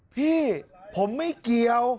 พี่ผมไม่เกี่ยว